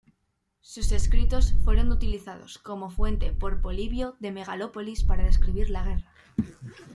Sus escritos fueron utilizados como fuente por Polibio de Megalópolis para describir la guerra.